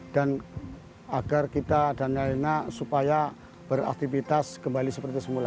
dan agar kita dan lain lainnya supaya beraktivitas kembali seperti semula